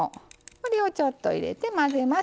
これをちょっと入れて混ぜます。